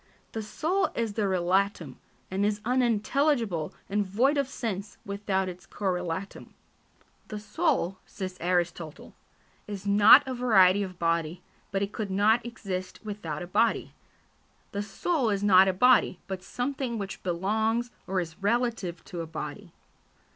The soul is the relatum, and is unintelligible and void of sense without its correlatum. "The soul," says Aristotle, "is not a variety of body, but it could not exist without a body: the soul is not a body, but something which belongs or is relative to a body."